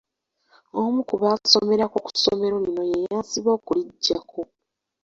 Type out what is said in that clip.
Omu ku baasomerako ku ssomero lino ye yanseba okulijjako.